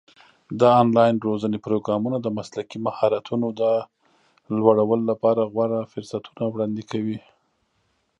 د آنلاین روزنې پروګرامونه د مسلکي مهارتونو د لوړولو لپاره غوره فرصتونه وړاندې کوي.